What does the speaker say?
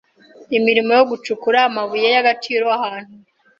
imirimo yo gucukura amabuye y agaciro ahantu